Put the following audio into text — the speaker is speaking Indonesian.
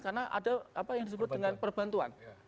karena ada apa yang disebut dengan perbantuan